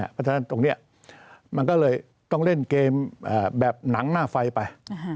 เพราะฉะนั้นตรงนี้มันก็เลยต้องเล่นเกมแบบหนังหน้าไฟไป